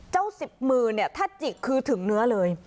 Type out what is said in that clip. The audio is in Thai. สิบมือเนี่ยถ้าจิกคือถึงเนื้อเลย